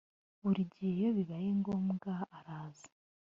buri gihe iyo bibaye ngombwa araza